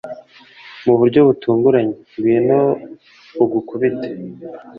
mu buryo butunguranye, ngwino ugukubite